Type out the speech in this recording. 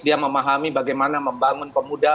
dia memahami bagaimana membangun pemuda